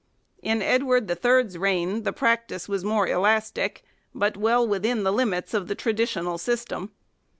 2 In Edward Ill's reign the practice was more elastic, but well within the limits of the traditional system.